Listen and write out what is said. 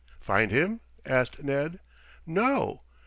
"Find him?" asked Ned. "No."